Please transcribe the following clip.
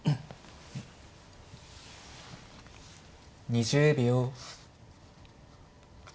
２０秒。